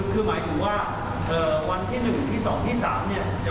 คือหมายถึงว่าเอ่อวันที่หนึ่งที่สองที่สามเนี่ย